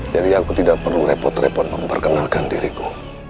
jadi aku tidak perlu repot repot memperkenalkan diriku